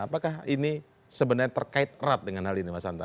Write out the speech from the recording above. apakah ini sebenarnya terkait erat dengan hal ini mas hanta